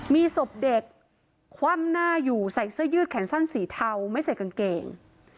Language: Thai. มีศพเด็กคว่ำหน้าอยู่ใส่เสื้อยืดแขนสั้นสีเทาไม่ใส่กางเกง